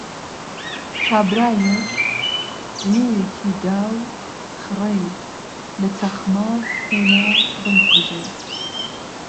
کابرایەک جنێوێکی دا و خڕەی لە چەخماخ هێنا بمکوژێ